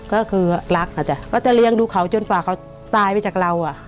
ก็คือรักอ่ะจ้ะก็จะเลี้ยงดูเขาจนกว่าเขาตายไปจากเราอ่ะ